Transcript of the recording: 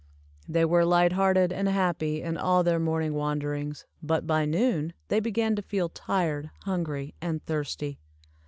They were light hearted and happy in all their morning wanderings, but by noon they began to feel tired, hungry, and thirsty.